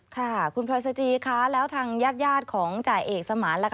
ค่ะคุณพรอยซาจีค่ะแล้วทางญาติยาติของจ่ายเอกสมาร์น